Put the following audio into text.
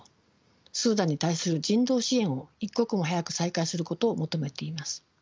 スーダンに対する人道支援を一刻も早く再開することを求めています。